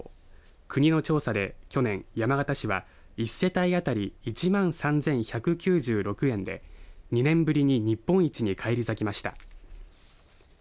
国の調査で去年山形市は１世帯当たり１万３１９６円で２年ぶりに日本一に返り咲きました。